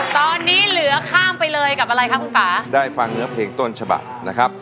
ตอนนี้เหลือข้ามไปเลยกับอะไรคะคุณป่าได้ฟังเนื้อเพลงต้นฉบับนะครับ